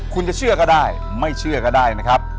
คุณจะเชื่อก็ได้ไม่เชื่อก็ได้นะครับ